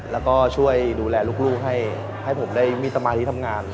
แล้วก็ช่วยดูแลลูกให้ผมได้มีสมาธิทำงาน